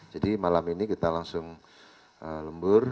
jadi malam ini kita langsung lembur